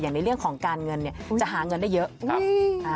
ในเรื่องของการเงินเนี่ยจะหาเงินได้เยอะ